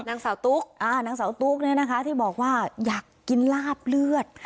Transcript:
นางสาวตุ๊กนางสาวตุ๊กเนี่ยนะคะที่บอกว่าอยากกินลาบเลือด